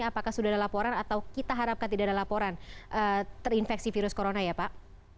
apakah sudah ada laporan atau kita harapkan tidak ada laporan terinfeksi virus corona ya pak